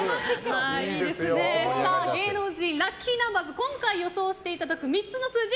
芸能人ラッキーナンバーズ今回予想していただく３つの数字